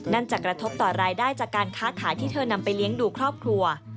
จะกระทบต่อรายได้จากการค้าขายที่เธอนำไปเลี้ยงดูครอบครัว